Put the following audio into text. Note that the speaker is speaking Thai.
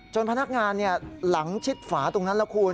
จนพนักงานเนี่ยหลังชิดฝาตรงนั้นล่ะคุณ